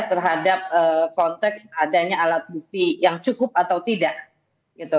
terhadap konteks adanya alat bukti yang cukup atau tidak